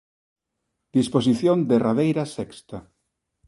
Disposición derradeira sexta.